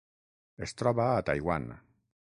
Es troba a Taiwan.